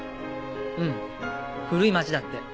うん古い町だって。